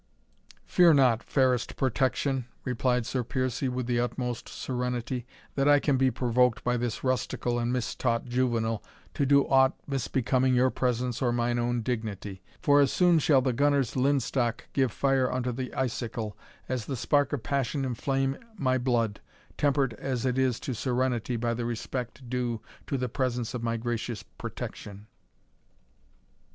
"Fear not, fairest Protection," replied Sir Piercie, with the utmost serenity, "that I can be provoked by this rustical and mistaught juvenal to do aught misbecoming your presence or mine own dignity; for as soon shall the gunner's linstock give fire unto the icicle, as the spark of passion inflame my blood, tempered as it is to serenity by the respect due to the presence of my gracious Protection."